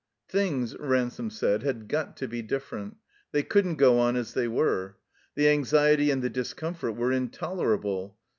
Things, Ransome said, had got to be different. They couldn't go on as they were. The anxiety and the discomfort were intolerable.